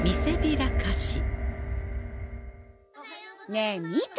ねえ見た？